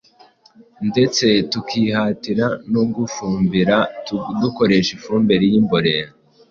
ndetse tukihatira no gufumbira dukoresha ifumbire y’imborera